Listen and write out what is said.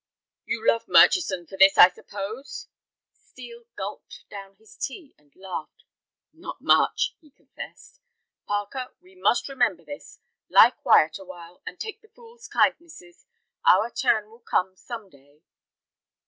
"You love Murchison for this, I suppose?" Steel gulped down his tea and laughed. "Not much," he confessed. "Parker, we must remember this. Lie quiet a while, and take the fool's kindnesses. Our turn will come some day."